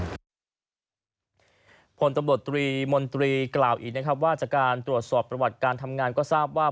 ผลตำรวจตรีมนตรีกล่าวอีกนะครับว่าจากการตรวจสอบประวัติการทำงานก็ทราบว่า